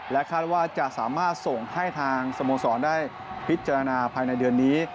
คาดว่าจะสามารถส่งให้ทางสโมสรได้พิจารณาภายในเดือนนี้